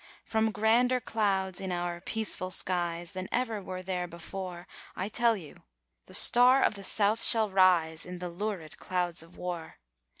From grander clouds in our 'peaceful skies' than ever were there before I tell you the Star of the South shall rise in the lurid clouds of war.